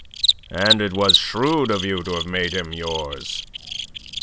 And it was shrewd of you to have made him yours.